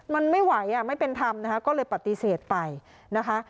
มันไม่ไหวอ่ะไม่เป็นธรรมนะคะก็เลยปฏิเสธไปนะคะ